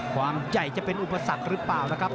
ความใหญ่จะเป็นอุปสรรคหรือเปล่านะครับ